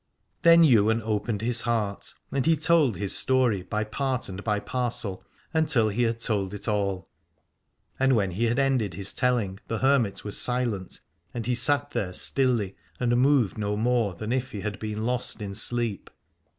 Then Ywain opened his heart, and he told his story by part and by parcel, until he had told it all. And when he had ended his telling the hermit v<ras silent, and he sat there stilly 236 Aladore and moved no more than if he had been lost in sleep.